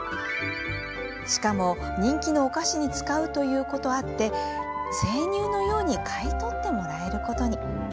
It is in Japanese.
しかも人気のお菓子に使うとあって生乳のように買い取ってもらえることに。